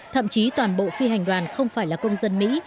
thậm chí toàn bộ phi hành đoàn không phải là công dân mỹ